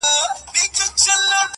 په هر قالب کي څه برابر یې.!